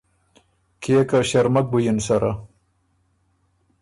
کيې که ݭرمک بُو یِن سَرَه۔